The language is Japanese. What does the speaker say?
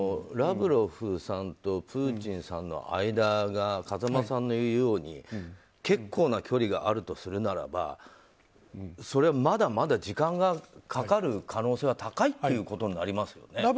ラブロフさんとプーチンさんの間が風間さんの言うように結構な距離があるとするならばそれはまだまだ時間がかかる可能性が高いことになりますね。